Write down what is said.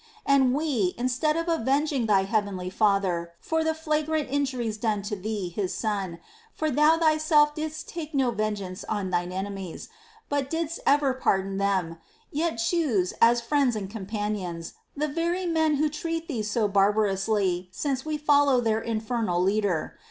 And we, instead of avenging Thy heavenly Father for the flagrant injuries done to Thee, His Son —■ for Thou Thyself didst take no vengeance on Thine enemies, but didst ever pardon them — yet choose, as friends and companions, the very men who treated Thee so barbarously, since we follow their infernal leader.